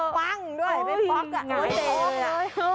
ป๊ังด้วยไม่ป๊อกอ่ะโดนไปหนึ่งป๊อกเลยอ่ะ